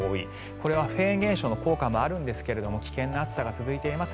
これはフェーン現象の効果もあるんですが危険な暑さが続いています。